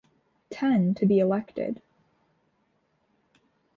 Ten to be elected.